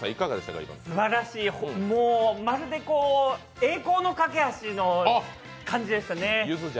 すばらしい、まるで「栄光の架橋」の感じでしたね。